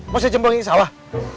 mau saya cembungin salah